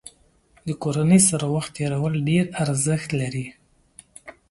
د کورنۍ سره وخت تېرول ډېر ارزښت لري.